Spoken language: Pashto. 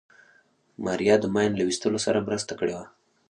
ماريا د ماين له ويستلو سره مرسته کړې وه.